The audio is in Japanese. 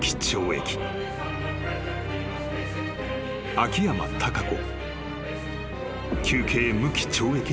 ［秋山貴子］